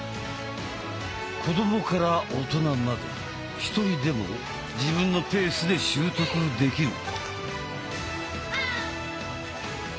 子どもから大人まで１人でも自分のペースで習得できる。